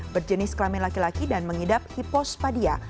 berjenis kelamin laki laki dan mengidap hipospadia